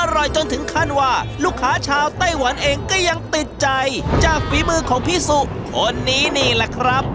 จนถึงขั้นว่าลูกค้าชาวไต้หวันเองก็ยังติดใจจากฝีมือของพี่สุคนนี้นี่แหละครับ